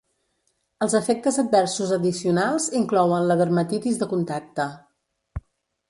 Els efectes adversos addicionals inclouen la dermatitis de contacte.